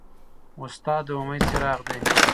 استاد د امید څراغ دی.